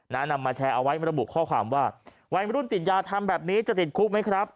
นำมาแชร์เอาไว้มาระบุข้อความว่าวัยมรุ่นติดยาทำแบบนี้จะติดคุกไหมครับ